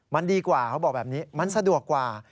มันดีกว่าเขาบอกแบบนี้มันสะดวกกว่า